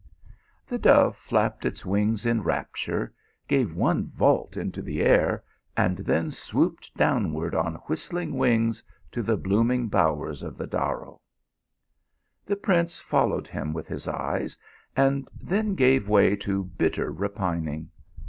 " The dove flapped its wings in rapture, gave one vault into the air, and then swooped downward on whistling wings to the blooming bowers of the Darro. The prince followed him with his eyes, and then gave way to bitter repining.